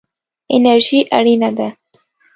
انرژي اړینه ده.